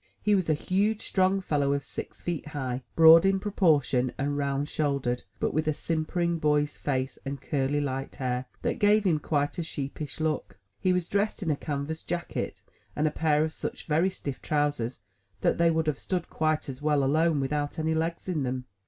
He was a huge, strong fellow of six feet high, broad in proportion, and round shouldered; but with a simper ing boy's face, and curly light hair, that gave him quite a sheepish look. He was dressed in a canvas jacket, and a pair of such very stiff trousers that they would have stood quite as well alone, without any legs in them.